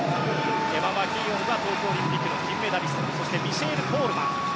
エマ・マキーオンは東京オリンピックで銀メダリストそしてミシェール・コールマン。